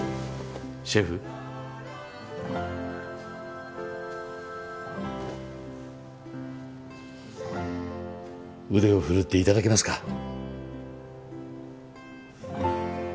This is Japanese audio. シェフ腕を振るっていただけますか？